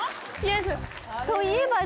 「といえば」